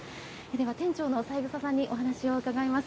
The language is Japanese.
では店長の三枝さんにお話を伺います。